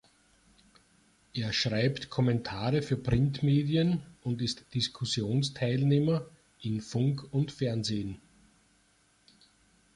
Er schreibt Kommentare für Printmedien und ist Diskussionsteilnehmer in Funk und Fernsehen.